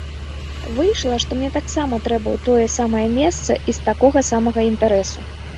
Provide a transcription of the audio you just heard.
Выйшла, што мне таксама трэба ў тое самае месца і з такога самага інтарэсу.